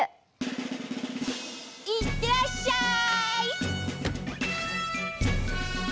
いってらっしゃい！